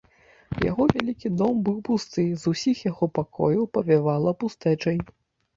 Яго вялікі дом быў пусты, з усіх яго пакояў павявала пустэчай.